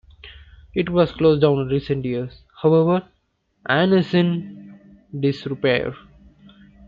It was closed in recent years, however, and is in disrepair.